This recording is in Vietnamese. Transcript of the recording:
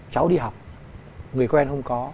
cháu đi học người quen không có